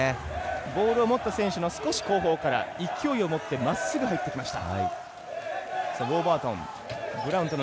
ボールを持った選手の少し後方から勢いをもってまっすぐ入ってきました。